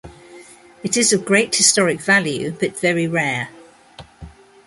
It is of great historic value, but very rare.